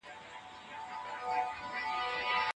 څنګه سوداګریز شرکتونه خالص زعفران پاکستان ته لیږدوي؟